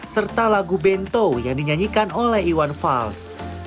serta lagu bento yang dinyanyikan oleh iwan fals